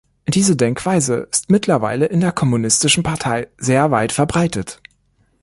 Diese Denkweise ist mittlerweile in der Kommunistischen Partei sehr weit verbreitet.